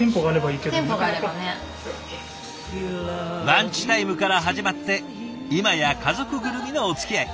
ランチタイムから始まって今や家族ぐるみのおつきあい。